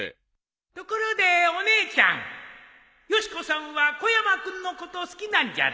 ところでお姉ちゃんよし子さんは小山君のこと好きなんじゃろ？